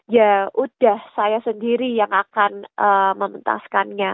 ya udah saya sendiri yang akan mementaskannya